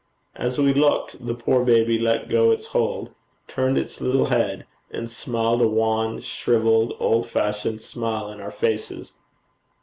As we looked, the poor baby let go its hold, turned its little head, and smiled a wan, shrivelled, old fashioned smile in our faces.